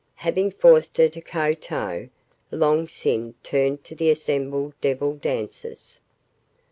Having forced her to kowtow, Long Sin turned to the assembled devil dancers.